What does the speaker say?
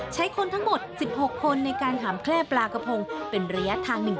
คนทั้งหมด๑๖คนในการหามแคล่ปลากระพงเป็นระยะทาง๑